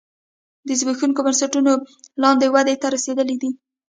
د زبېښونکو بنسټونو لاندې ودې ته رسېدلی دی